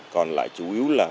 chín còn lại chủ yếu là